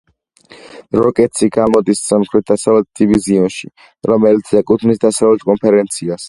როკეტსი გამოდის სამხრეთ-დასავლეთ დივიზიონში, რომელიც ეკუთვნის დასავლეთ კონფერენციას.